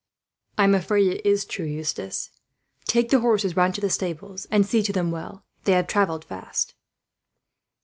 "I am afraid it is true, Eustace," Philip said. "Take the horses round to the stables, and see to them well. They have travelled fast."